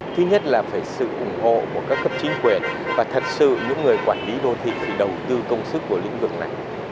thứ nhất là phải sự ủng hộ của các cấp chính quyền và thật sự những người quản lý đô thị phải đầu tư công sức của lĩnh vực này